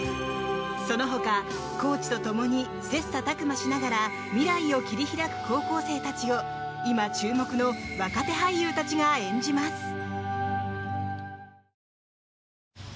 その他、コーチと共に切磋琢磨しながら未来を切り開く高校生たちを今注目の若手俳優たちが演じます。